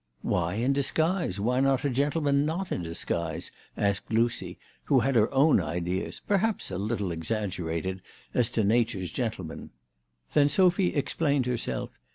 " Why in disguise ? Why not a gentleman not in disguise ?" asked Lucy, who had her own ideas, perhaps a little exaggerated, as to Nature's gentlemen. Then Sophy explained herself.